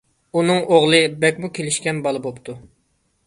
ئۇنىڭ ئوغلى بەكمۇ كېلىشكەن بالا بوپتۇ.